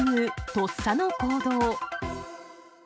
とっさの行動。